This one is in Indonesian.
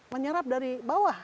menyerap dari bawah